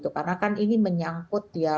karena kan ini menyangkut ya